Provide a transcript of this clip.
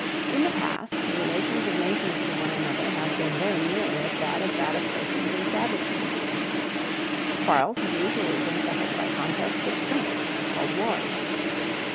In the past the relations of nations to one another have been very nearly as bad as that of persons in savage communities. Quarrels have usually been settled by contests of strength, called wars.